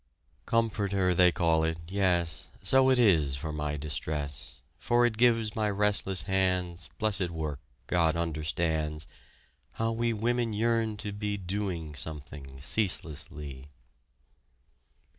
Comforter they call it yes So it is for my distress, For it gives my restless hands Blessed work. God understands How we women yearn to be Doing something ceaselessly.